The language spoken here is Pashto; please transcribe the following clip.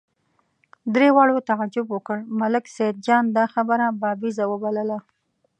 درې واړو تعجب وکړ، ملک سیدجان دا خبره بابېزه وبلله.